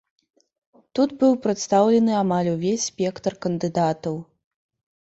Тут быў прадстаўлены амаль увесь спектр кандыдатаў.